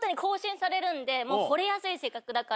ほれやすい性格だから。